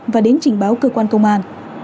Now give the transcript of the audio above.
và đến trình báo cơ quan công an